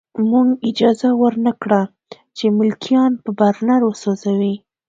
موږ اجازه ورنه کړه چې ملکیان په برنر وسوځوي